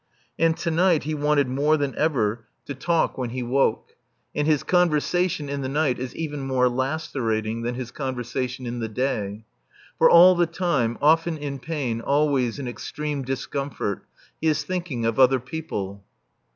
And to night he wanted more than ever to talk when he woke. And his conversation in the night is even more lacerating than his conversation in the day. For all the time, often in pain, always in extreme discomfort, he is thinking of other people.